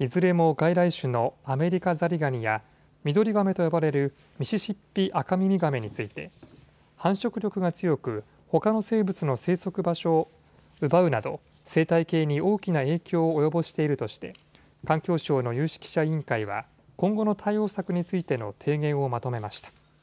いずれも外来種のアメリカザリガニやミドリガメと呼ばれるミシシッピアカミミガメについて繁殖力が強く、ほかの生物の生息場所を奪うなど生態系に大きな影響を及ぼしているとして環境省の有識者委員会は今後の対応策についての提言をまとめました。